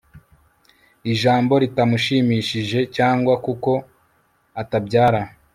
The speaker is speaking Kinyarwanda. ijambo ritamushimishije, cyangwa kuko atabyara